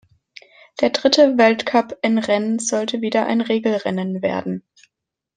Der dritte Weltcup in Rennes sollte wieder ein Regenrennen werden.